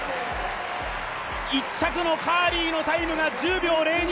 １着のカーリーのタイムが１０秒０２。